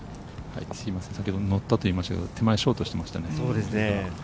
先ほど乗ったといいましたが、手前、ショートしていましたね。